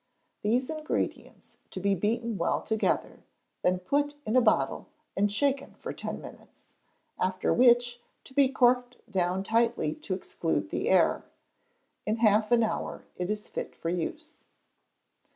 These ingredients to be beaten well together, then put in a bottle and shaken for ten minutes, after which, to be corked down tightly to exclude the air. In half an hour it is fit for use.